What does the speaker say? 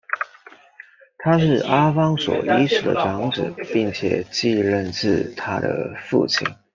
他是阿方索一世的长子并且继任自他的父亲。